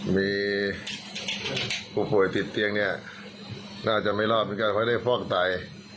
มีผู้ป่วยติดเตียงนี้น่าจะไม่รอบเป็นการไฟได้ฟอกไต